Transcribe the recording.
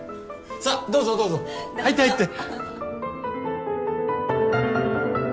さぁどうぞどうぞ入って入って。